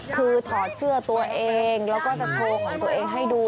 คือถอดเสื้อตัวเองแล้วก็จะโชว์ของตัวเองให้ดู